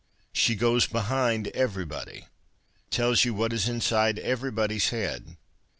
She ' goes behind ' everybody, tells you what is inside everybody's head.